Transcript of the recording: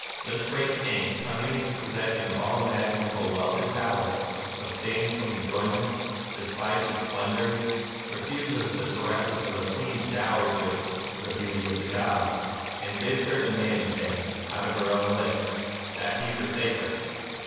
This great king, coming into possession of all imaginable wealth and power, abstains from enjoyments, despises splendors, refuses the caresses of a Queen dowered with NIRVANA 239 " tlie beauty of the gods," and bids her demand of him, out of her own lips, that he forsake her.